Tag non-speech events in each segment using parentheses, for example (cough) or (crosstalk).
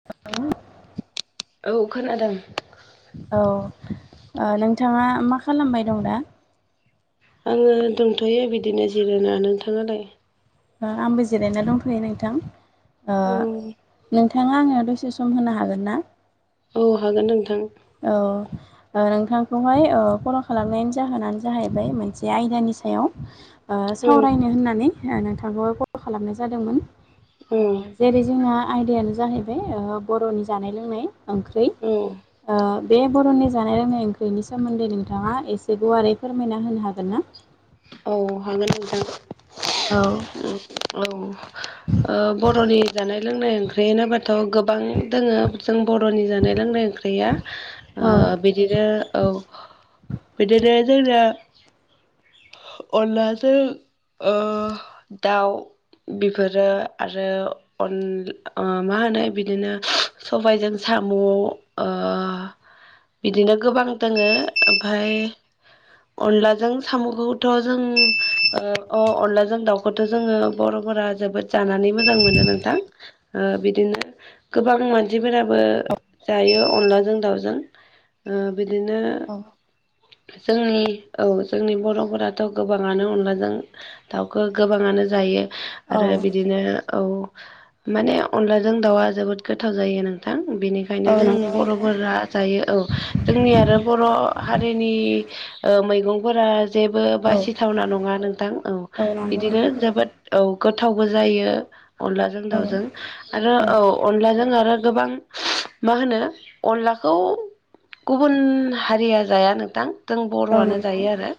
औ (unintelligible) औ खोनादों औ नोंथाङा मा खालामबाय दं दा आंङो दंथ'यो बिदिनो जिराना नोंथाङालाय आंबो जिरायना दंथ'यो नोंथां औ नोंथांङा आंनो दसे सम होनो हागोन ना औ हागोन नोंथां औ नोंथांखौहाय फल' खालामनायनि जाहोनानो जाहैबाय मोनसे आयदानि सायाव औ सावरायनो होननानै नोंथांखौहाय कल खालामनाय जादोंमोन ओ औ जेरै जोंना आयदायानो जाहैबाय बर'नि जानाय लोंनाय ओंख्रि औ बे बर'नि जानाय लोंनाय ओंख्रिनि सोमोन्दै नोंथाङा एसे गुवारै फोरमायना होनो हागोन ना? औ हागोन नोंथां औ औ (unintelligible) बर'नि जानाय लोंनाय ओंख्रि होनोबाथ' गोबां दोङो जों बर'नि जानाय लोंनाय ओंख्रि गैया औ बिदिनो औ बिदिनो जोंना अनलाजों अ दाउ बेफोरो आरो अन मा होनो बिदिनो सबायजों साम' बिदिनो गोबां दोङो ओमफ्रायाय अनलाजों साम' गथ' जों अ अनलाजों दाउखौथ' जोंङो बर'फोरा जोबोद जानानै मोजां मोनो नोंथां बिदिनो गोबां मानसिफोराबो जायो अनलाजों दाउजों ओ बिदिनो औ जोंनि औ जोंनि बर' दाफोराथ' गोबांङानो अनलाजों दाउखौ गोबांङानो जायो आरो औ बिदिनो औ माने अनलाजों दाउआ जोबोद गोथाव जायो नोंथां औ बेनिखायनो जों नंगौ नोंथां बर'फोरा जायो औ जोंनि आरो बर' हारिनि मैगंफोरा जेबो औ बासिथावना नंङा नोंथां औ नंगौ बिदिनो नोंथां जोबोद औ गोथावबो जायो अनलाजों औ दाउजों आरो औ अनलाजों आरो गोबां मा होनो अनलाखौ गुबुन हारिया जाया नोंथां जों औ बर'आनो नंगौ जायो आरो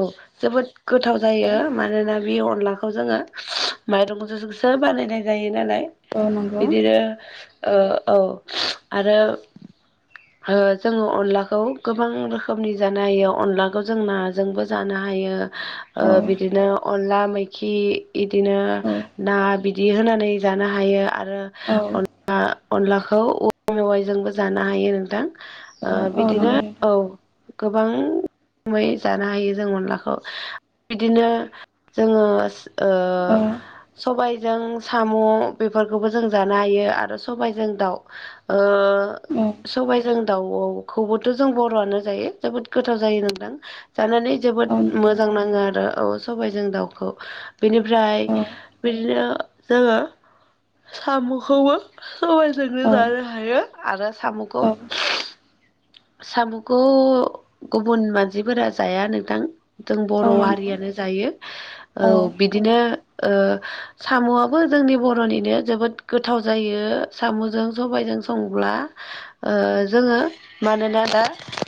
औ जोबोद गोथाव जायो मानोना बे अनलाखौ जोङो माइरंजो (unintelligible) सो बानायायनाय जायो नालाय औ नंगौ बिदिनो ओ औ आरो ओ जोङो अनलाखौ गोबां रोखोमनि जानो हायो अनलाखौ जों ना जोंबो जानो हायो ओ औ बिदिनो अनला मैखि इदिनो औ ना बिदि होनानै जानो हायो आरो औ अनलाखौ औवा मेवाइजोंबो जानो हायो नोंथां। औ ओ औ बिदिनो नंगौ नोंथां औ गोबां (unintelligible) जानो हायो जों अनलाखौ बिदिनो जोङो औ ओ सबायजों साम' बेफोरखौबो जों जानो हायो आरो सबायजों दाउ ओ औ सबाइजों दाउखौबोथ' जों बर'आनो जायो जोबोद गोथाव जायो नोंथां जानानै औ जोबोद नंगौ मोजां नाङो आरो। औ सबाय जों दाउखौ बेनिफ्राय औ बिदिनो जोङो साम'खौबो सबायजोंनो जानो हायो आरो साम'खौ औ (unintelligible) सामुखौ गुबुन मानसिफोरा जाया नोंथां जों औ बर' नंगौ हारियानो जायो औ (unintelligible) बिदिनो ओ साम'आबो जोंनि बर'निनो जोबोद गोथाव जायो साम'जों सब्ला ओ जोङो मानोना दा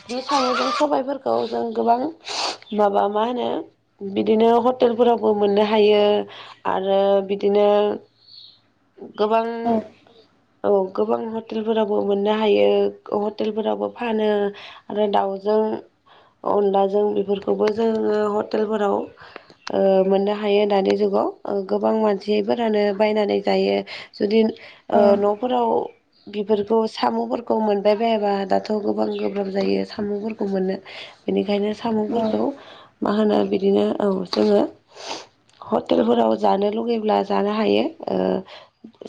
(unintelligible) जों गोबां माबा मा होनो बिदिनो हटेलफोरावबो मोननो हायो। आरो बिदिनो गोबां औ औ नंगौ औ औ गोबां हटेलफोरावबो मोननो हायो हसटेलफोरावबो फानो। आरो दाउजों अनलाजों बेफोरखौबो जोङो हटेलफोराव ओ मोननो हायो दानि जुगाव ओ गोबां मानसियफोरानो बायनानै जायो जुदि ओ औ न'फोराव बेफोरखौ साम'फोरखौ मोनबाय बायाबा दाथ' गोबां गोब्राब जायो साम'फोरखौ मोननो। बेनिखायनो साम'फोरखौ मा होनो बिदिनो औ जोङो हटेलफोराव जानो लुुबैब्ला जानो हायो ओ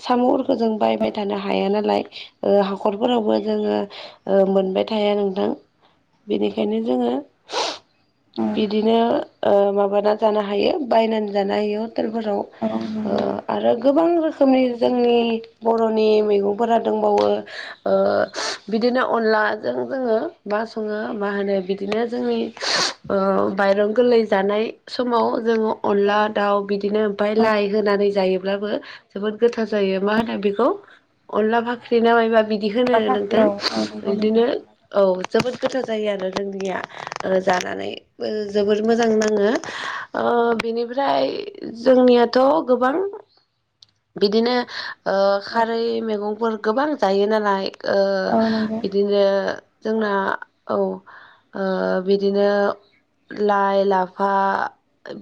साम'फोरखौ जों बायबाय थानो हाया नालाय ओ हाखरफोरावबो जोङो ओ मोनबाय थाया नोंथां बेनिखायनो जोङो बिदिनो माबाना जानो हायो बायनानै जानो हायो हटेलफोराव ओ नंगौ आरो गोबां रोखोमनि जोंनि बर'नि मैगंफोरा दोंबावो। बिदिनो अनलाजों जोङो मा सङो मा होनो बिदिनो जोंनि (unintelligible) ओ माइरं गोरलै जानाय समाव जोङो (unintelligible) अनला दाउ बिदिनो ओमफाय लाइ होनानै जायोब्लाबो जोबोद गोथार जायो मा होनो बेखौ अनला फाख्रि ना मायबा (unintelligible) बिदि होनो नोंथां नोंथां औ औ इदिनो औ जोबोद गोथाव जायो आरो जोंनिया ओ जानानै ओ जोबोर मोजां नाङो ओ बिनिफ्राय जोंनियाथ' गोबां बिदिनो ओ खारै मैगंफोर गोबां जायो नालाय। ओ नंगौ औ बिदिनो जोंना औ ओ बिदिनो लाइ लाफा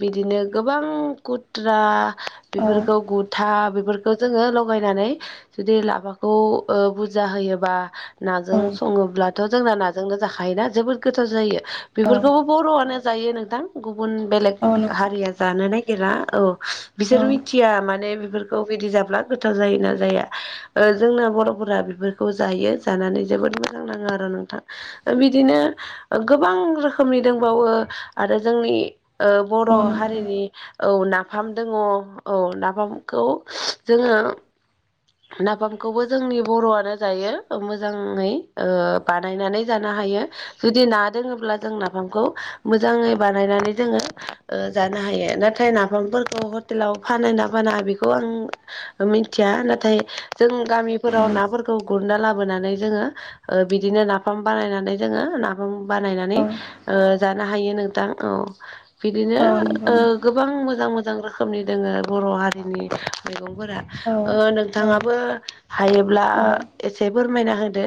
बिदिनो गोबां खुथ्रा। नंगौ बिफोरखौ गुद था बेफोरखौ जोङो लगायनानै जुदि लाफाखौ ओ बुरजा होयोबा। औ नाजों सङोब्लाथ' जोंना नाजोंनो जाखायोना जोबोद गोथाव जायो बिफोरखौबो। बर'आनो जायो नोंथां गुबुन बेलेग औ हारिया जानो नागिरला औ। बिसोर नंगौ मिथिया माने बेफोरखौ बिदि जाब्ला गोथाव जायोना जाया। ओ जोंना बर'फोरा बिफोरखौ जायो जानानै जोबोद मोजां नाङो आरो नोंथां। ओ बिदिनो गोबां रोखोमनि। दोंबावो आरो जोंनि ओ नोंथां औ बर' हारिनि औ नाफामजों अ औ नाफामखौ जोङो। नाफामखौबो जोंनि बर'आनो जायो मोजाङै ओ बानायनानै जानो हायो। जुदि ना दोङोब्ला जों नाफामखौ मोजाङै बानायनानै जोङो ओयो। जानो हायो नाथाय नाफामफोरखौ हटेलाव फानो ना फाना बिखौ आं मिथिया नाथ थाय जों गामिफोराव नाफोरखौ गुरना लाबोनानै जोङो। ओ बिदिनो नाफाम बानायनानै जोङो ना बानायनानै ओ जानो हायो नोंथां औ बिदिनो नंगौ नोंथां ओयो। गोबां मोजां मोजां रोखोमनि दोङो बर' हारिनि मैगंफोरा ओ नोंथाङाबो। ओ हायोब्ला एसे फोरमायना होदो।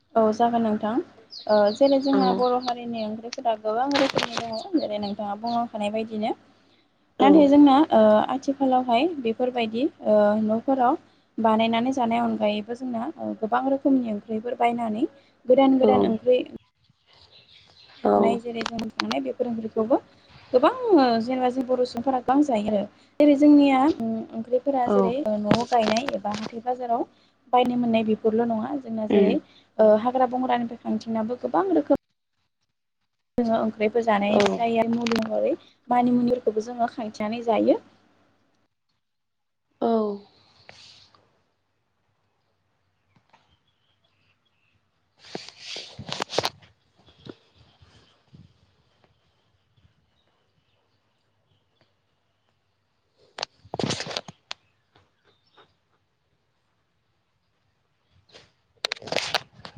औ औ जागोन नोंथां ओ जेरै औ जोंहा बर' हारि। (unintelligible) ओंख्रिफोरा गोबां रोखोमनि दङ जेरै नोंथाङा बुंलांखानाय बायदिनो। औ नाथाय जोंना ओ आथिखालावहाय बेफोरबायदि ओ न'फोराव। बानायनानै जानाय अनगायैबो जोंना ओ गोबां रोखोमनि ओंख्रिफोर। बायनानै गोदान गोदान ओंख्रि। औ नाय जेरै जों थांनाय बेफोर ओंख्रिखौबो। गोबां ओ जेनेबा जों बर' सुबुंफोरा गोबां जायो आरो जेरै जोंनिया ओ ओंख्रि। फोरा औ जेरै ओ न'आव गायनाय एबा हाथाय बाजाराव बायनो मोननाय बेफोरल' नङा। जोंना जेरै उम ओ हाग्रा बंग्रानिफ्राय खारथिंनाबो गोबां रोखोम। जोङो ओंख्रिफोर जानाय औ जायो मुलि महरै मानिमुनिफोरखौबो जोङो खांथिंनानै जायो। औ। (unintelligible)